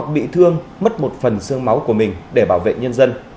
bị thương mất một phần sương máu của mình để bảo vệ nhân dân